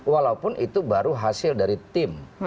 walaupun itu baru hasil dari tim